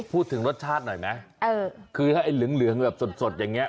พูดถึงรสชาติหน่อยไหมคือถ้าไอ้เหลืองแบบสดอย่างนี้